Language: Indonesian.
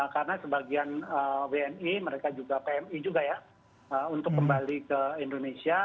karena sebagian wni mereka juga pmi juga ya untuk kembali ke indonesia